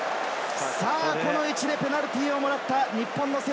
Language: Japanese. この位置でペナルティーをもらった。